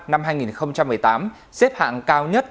năm hai nghìn một mươi tám xếp hạng cao nhất